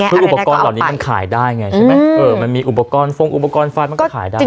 คืออุปกรณ์เหล่านี้มันขายได้ไงใช่ไหมมันมีอุปกรณ์ฟงอุปกรณ์ไฟมันก็ขายได้